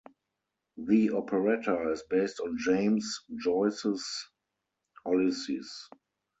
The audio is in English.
The operetta is based on James Joyce's "Ulysses".